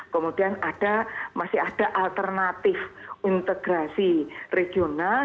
kemudian masih ada alternatif integrasi regional